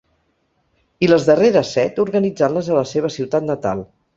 I les darreres set, organitzant-les a la seva ciutat natal.